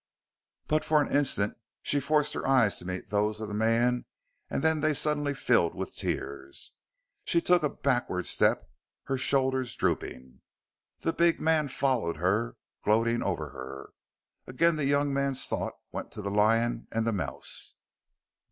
But for an instant she forced her eyes to meet those of the man and then they suddenly filled with tears. She took a backward step, her shoulders drooping. The big man followed her, gloating over her. Again the young man's thoughts went to the lion and the mouse.